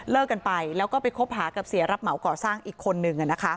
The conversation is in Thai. กันไปแล้วก็ไปคบหากับเสียรับเหมาก่อสร้างอีกคนนึง